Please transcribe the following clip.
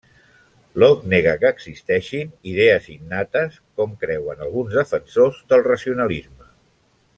Locke nega que existeixin idees innates, com creuen alguns defensors del racionalisme.